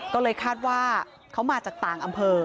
ก็เลยคาดว่าเขามาจากต่างอำเภอ